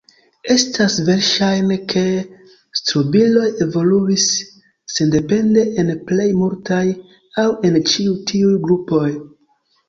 Estas verŝajne ke strobiloj evoluis sendepende en plej multaj aŭ en ĉiuj tiuj grupoj.